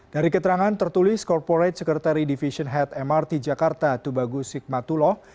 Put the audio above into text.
dari keterangan tertulis corporate secretary division head mrt jakarta tubagus sikmatullah